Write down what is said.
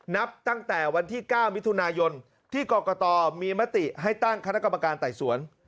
นับตั้งแต่วันที่๙มิถุนายนที่กรกตมีมติให้ตั้งคณะกรรมการไต่สวน